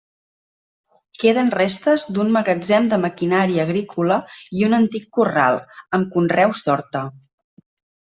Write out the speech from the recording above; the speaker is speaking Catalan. Queden restes d'un magatzem de maquinària agrícola i un antic corral, amb conreus d'horta.